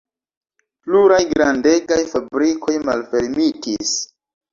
Pluraj grandegaj fabrikoj malfermitis.